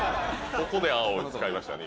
ここで「あ」を使いましたね